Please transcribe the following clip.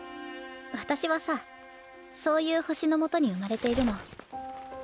私はさそういう星のもとに生まれているの。